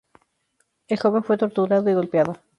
El joven fue torturado y golpeado.